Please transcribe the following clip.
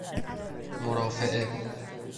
مرافعه